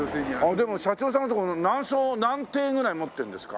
でも社長さんのとこ何艘何艇ぐらい持ってるんですか？